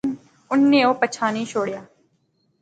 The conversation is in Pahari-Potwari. اُنی او پچھانی شوڑیا